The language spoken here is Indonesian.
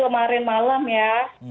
kemarin malam ya